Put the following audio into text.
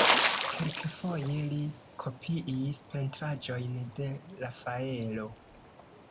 Kelkfoje li kopiis pentraĵojn de Rafaelo.